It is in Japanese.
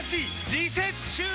リセッシュー！